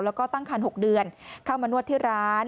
แล้วก็ตั้งคัน๖เดือนเข้ามานวดที่ร้าน